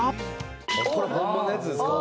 これホンマのやつですか？